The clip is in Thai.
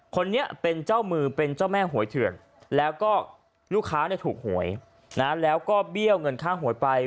คนนี้เป็นเจ้ามือเป็นเจ้าแม่หวยเถื่อนแล้วก็ลูกค้าถูกหวยนะแล้วก็เบี้ยวเงินค่าหวยไป